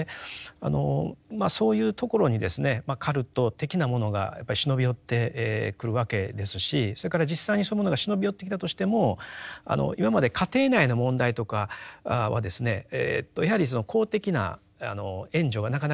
まあそういうところにカルト的なものがやっぱり忍び寄ってくるわけですしそれから実際にそういうものが忍び寄ってきたとしても今まで家庭内の問題とかはですねやはりその公的な援助がなかなかやっぱ入りにくかったですよね。